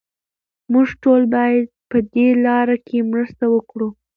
موږ ټول باید پهدې لاره کې مرسته وکړو.